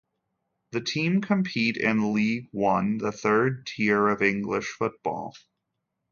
The team compete in League One, the third tier of English football.